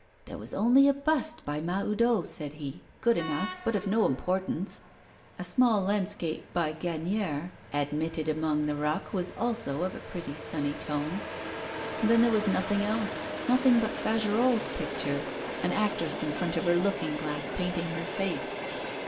There was only a bust by Mahoudeau, said he, good enough, but of no importance. A small landscape by Gagnière, admitted among the ruck, was also of a pretty sunny tone. Then there was nothing else, nothing but Fagerolles' picture an actress in front of her looking glass painting her face.